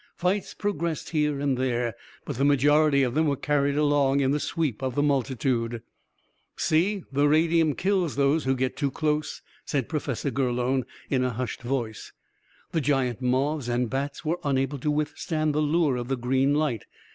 Fights progressed here and there, but the majority of them were carried along in the sweep of the multitude. "See, the radium kills those who get too close," said Professor Gurlone, in a hushed voice. The giant moths and bats were unable to withstand the lure of the green light.